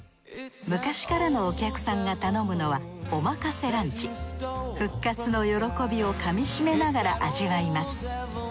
昔からのお客さんが頼むのは復活の喜びをかみしめながら味わいます。